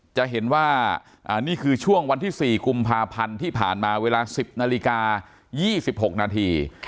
จะเห็นว่านี่คือช่วงวันที่๔กุมภาพันธ์ที่ผ่านมาเวลา๑๐นาฬิกา๒๖นาที